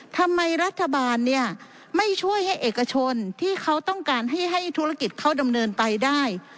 ทำไมรัฐบาลเนี่ยไม่ช่วยให้เอกชนที่เขาต้องการให้ธุรกิจเขาดำเนินไปได้